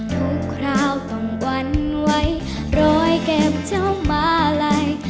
ทุกคราวต้องวันไว้โรยเก็บเจ้ามาลัย